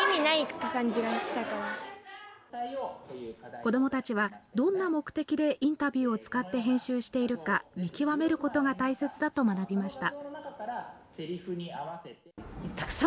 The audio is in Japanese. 子どもたちはどんな目的でインタビューを使って編集しているか見極めることが大切だと学びました。